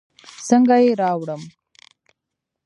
څنګه يې راوړم.